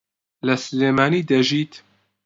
لە سلێمانی دەژیت.